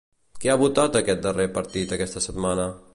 Què ha votat aquest darrer partit aquesta setmana?